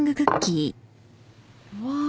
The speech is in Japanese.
うわ。